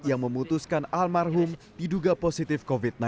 yang memutuskan almarhum diduga positif covid sembilan belas